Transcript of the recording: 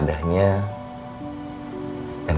dan kamu bukan orang yang berkurang